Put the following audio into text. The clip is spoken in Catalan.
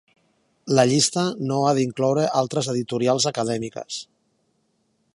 La llista no ha d'incloure altres editorials acadèmiques.